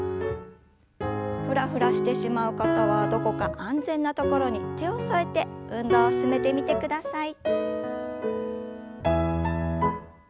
ふらふらしてしまう方はどこか安全な所に手を添えて運動を進めてみてください。